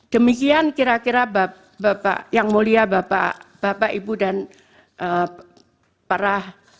demikian kira kira bapak yang mulia bapak ibu dan para